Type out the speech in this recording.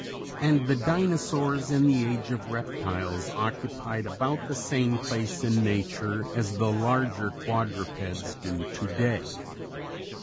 And the Dinosaurs in the Age of Reptiles occupied about the same place in nature as the larger quadrupeds do today.